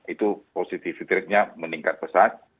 itu positivity ratenya meningkat pesat